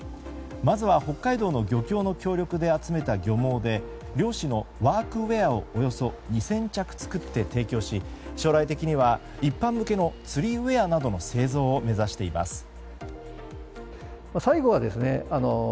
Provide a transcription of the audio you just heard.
まずは北海道の漁協の協力で集めた漁網で漁師のワークウェアをおよそ２０００着作って提供し将来的には一般向けの釣りウェアなどの製造を目指しています。